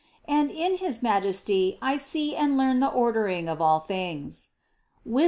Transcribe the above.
And in his Majesty I see and learn the ordering of all things (Wis.